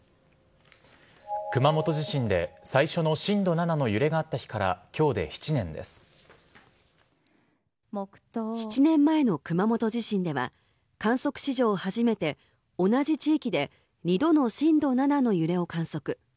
熊本地震で、最初の震度７の揺れがあった日から７年前の熊本地震では観測史上初めて同じ地域で２度の震度７の揺れを観測。